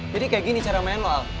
jadi kaya gini cara main lo al